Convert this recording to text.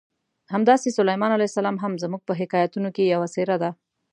همداسې سلیمان علیه السلام هم زموږ په حکایتونو کې یوه څېره ده.